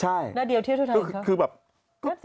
หน้าเดียวเที่ยวท่านอีกครั้ง